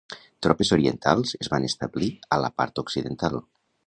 Tropes orientals es van establir a la part occidental.